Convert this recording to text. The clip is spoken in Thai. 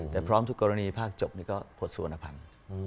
แต่พร้อมทุกกรณีภาคจบนี่ก็ผลสุวรรณภัณฑ์